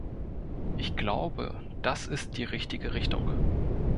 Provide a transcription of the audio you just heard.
Ich glaube, das ist die richtige Richtung.